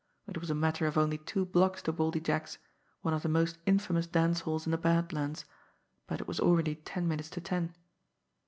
It was a matter of only two blocks to Baldy Jack's, one of the most infamous dance halls in the Bad Lands, but it was already ten minutes to ten.